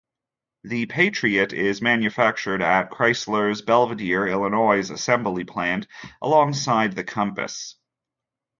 The Patriot is manufactured at Chrysler's Belvidere, Illinois assembly plant alongside the Compass.